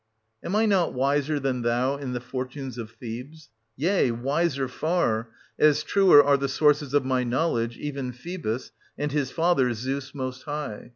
790 Am I not wiser than thou in the fortunes of Thebes ? Yea, wiser far, as truer are the sources of my know ledge, even Phoebus, and his father, Zeus most high.